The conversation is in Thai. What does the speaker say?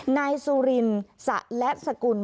นายสุรินสะและสกุล